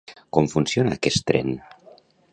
Com funciona aquest tren?